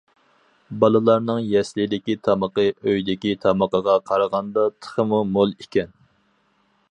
بالىلارنىڭ يەسلىدىكى تامىقى ئۆيدىكى تامىقىغا قارىغاندا تېخىمۇ مول ئىكەن.